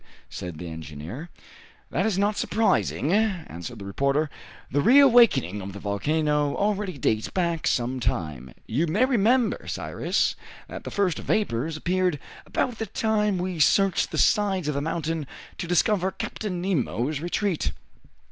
said the engineer. "That is not surprising," answered the reporter. "The reawakening of the volcano already dates back some time. You may remember, Cyrus, that the first vapors appeared about the time we searched the sides of the mountain to discover Captain Nemo's retreat.